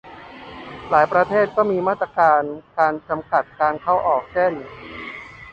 หลายประเทศก็มีมาตรการจำกัดการเข้าออก เช่น